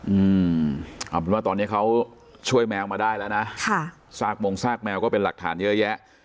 อืมเอาเป็นว่าตอนนี้เขาช่วยแมวมาได้แล้วนะค่ะซากมงซากแมวก็เป็นหลักฐานเยอะแยะ